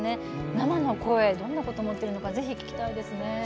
生の声、どんなことを思っているのか聞きたいですね。